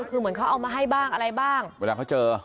คือเหมือนเขาเอามาให้บ้างอะไรบ้างเวลาเขาเจอ